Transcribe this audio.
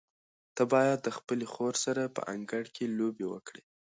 ته باید د خپلې خور سره په انګړ کې لوبې وکړې.